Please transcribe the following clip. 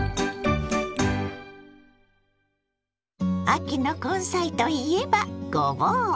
秋の根菜といえばごぼう！